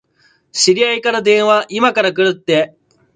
知り合いから電話、いまから来るって。